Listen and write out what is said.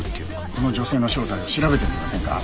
この女性の正体を調べてみませんか？